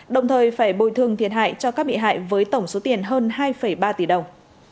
đồng thời phải bồi thương thiệt hại cho các bị hại với tổng số tiền hơn hai ba tỷ đồng